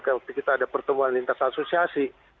ketika kita ada pertemuan lintas asosiasi